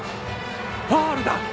ファウルだ。